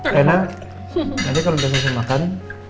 reina nanti kalau udah selesai makan